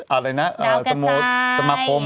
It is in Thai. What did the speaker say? อะไรนะสโมสรดาวกระจาย